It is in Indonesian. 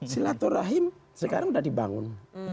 silaturahim sekarang sudah dibangun